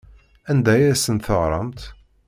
Anda ay asen-teɣramt?